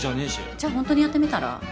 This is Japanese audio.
じゃあ本当にやってみたら？